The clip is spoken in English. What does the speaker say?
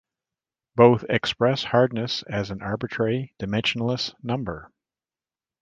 Both express hardness as an arbitrary dimensionless number.